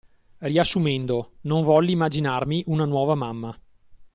Riassumendo:Non volli immaginarmi una nuova mamma.